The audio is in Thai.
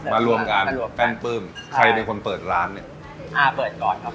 รวมกันแป้นปลื้มใครเป็นคนเปิดร้านเนี่ยอ่าเปิดก่อนครับ